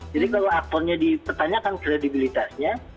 jadi kalau aktornya dipertanyakan kredibilitasnya